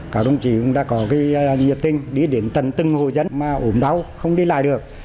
cả đồng chí cũng đã có nhiệt tinh đi đến tân tinh hồ dân mà ủm đau không đi lại được